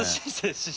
師匠）